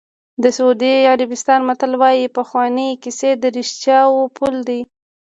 د سعودي عربستان متل وایي پخوانۍ کیسې د رښتیاوو پل دی.